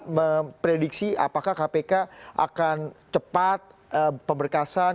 memprediksi apakah kpk akan cepat pemberkasan